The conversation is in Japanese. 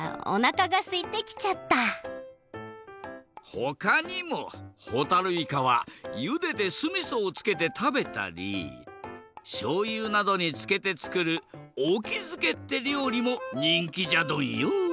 ほかにもほたるいかはゆでてすみそをつけて食べたりしょうゆなどにつけてつくるおきづけってりょうりもにんきじゃドンよ。